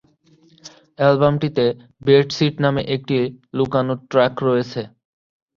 অ্যালবামটিতে "bedsheet" নামে একটি লুকানো ট্র্যাক রয়েছে।